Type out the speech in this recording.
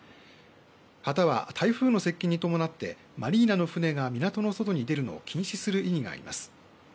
旗は台風の接近に伴ってマリーナの船が港の外に出るのを禁止するエリアがあります。